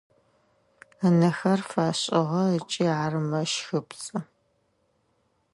Ынэхэр фэшӏыгъэ ыкӏи ар мэщхыпцӏы.